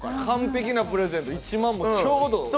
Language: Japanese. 完璧なプレゼント、１万ちょうど。